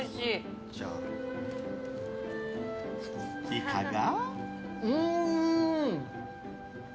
いかが？